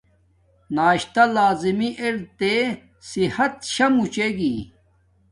ناشتا لازمی ار تے صحت شا موچے گی